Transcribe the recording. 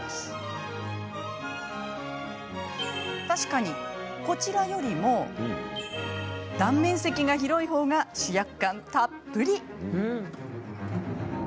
確かにこちらよりも断面積が広い方が主役感たっぷり。